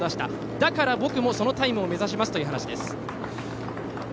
だから僕もそのタイムを目指しますという話です。